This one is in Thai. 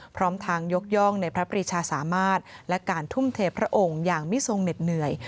พร้อมทางยกย่องในพระปรีชาสามารถและการทุ่มเทพระองค์อย่างมิทรงเหน็ดเหนื่อย